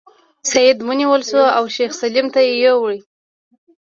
سید ونیول شو او شیخ سلیم ته یې یووړ.